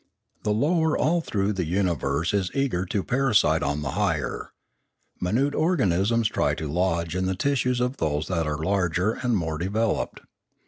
The lower all through the universe is eager to parasite on the higher; minute organisms try to lodge in the tissues of those that are larger and more de veloped.